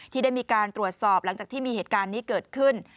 ที่ได้มีการตรวจสอบหลังจากที่มีเหตุการณ์นี้เกิดขึ้น